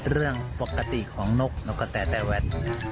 เรื่องปกติของนกกะแตแต่แหวด